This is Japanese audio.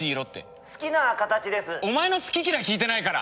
おまえのすききらい聞いてないから！